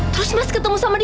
terus mas ketemu sama dia